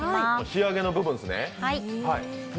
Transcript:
仕上げの部分ですね。